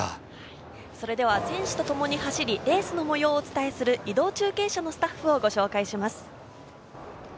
それでは選手とともに走りレースの模様をお伝えする移動中継車のスタッフをご紹介します。